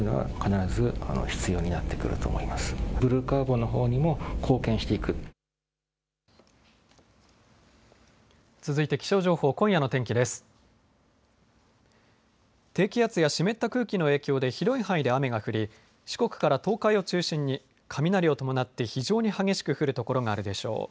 低気圧や湿った空気の影響で広い範囲で雨が降り四国から東海を中心に雷を伴って非常に激しく降る所があるでしょう。